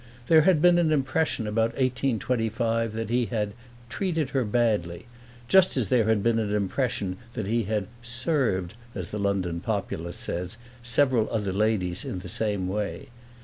There had been an impression about 1825 that he had "treated her badly," just as there had been an impression that he had "served," as the London populace says, several other ladies in the same way.